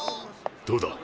どうだ？